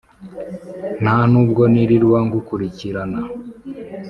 nta n'ubwo nirirwa ngukurikirana,